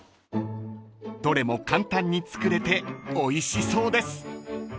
［どれも簡単に作れておいしそうです］